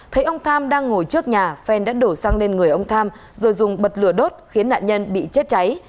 thấy ông tham đang ngồi trước nhà phen đã đổ xăng lên người ông tham rồi dùng bật lửa đốt khiến nạn nhân bị chết cháy